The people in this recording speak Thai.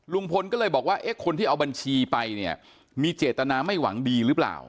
ลุงพลก็เลยบอกว่าเอ๊ะคนที่เอาบัญชีไปเนี่ยมีเจตนาไม่หวังดีหรือเปล่า